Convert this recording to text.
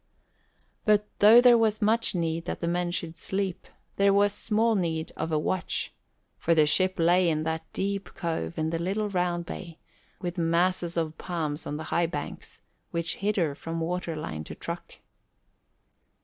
But though there was much need that the men should sleep, there was small need of a watch, for the ship lay in that deep cove in the little round bay, with masses of palms on the high banks, which hid her from waterline to truck.